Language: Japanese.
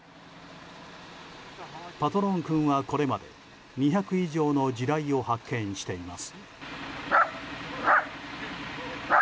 パトローン君はこれまで２００以上の地雷を発見しています。